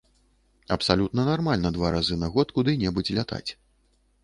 Абсалютна нармальна два разы на год куды-небудзь лятаць.